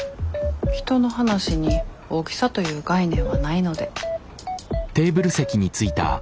人の話に大きさという概念はないので。